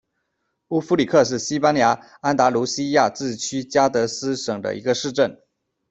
乌夫里克是西班牙安达卢西亚自治区加的斯省的一个市镇。